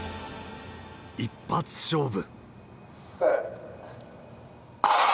一発勝負。